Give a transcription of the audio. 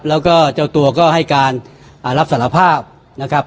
แล้วก็เจ้าตัวก็ให้การรับสารภาพนะครับ